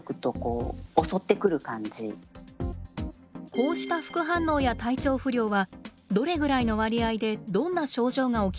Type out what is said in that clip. こうした副反応や体調不良はどれぐらいの割合でどんな症状が起きるのでしょうか？